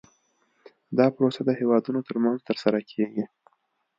دا پروسه د هیوادونو ترمنځ ترسره کیږي